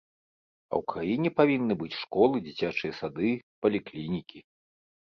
А ў краіне павінны быць школы, дзіцячыя сады, паліклінікі.